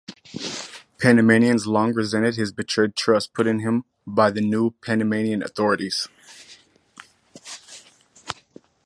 Panamanians long resented his betrayed trust put in him by the new Panamanian authorities.